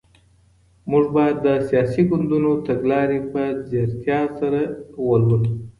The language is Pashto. موږ بايد د سياسي ګوندونو تګلاري په ځيرتيا سره ولولو.